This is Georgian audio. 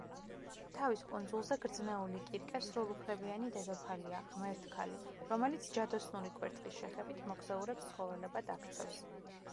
თავის კუნძულზე გრძნეული კირკე სრულუფლებიანი დედოფალია, ღმერთქალი, რომელიც ჯადოსნური კვერთხის შეხებით მოგზაურებს ცხოველებად აქცევს.